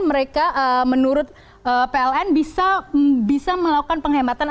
mereka menurut pln bisa melakukan penghematan